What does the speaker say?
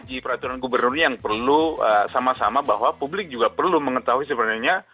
jadi peraturan gubernur yang perlu sama sama bahwa publik juga perlu mengetahui sebenarnya